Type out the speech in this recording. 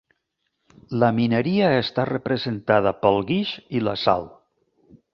La mineria està representada pel guix i la sal.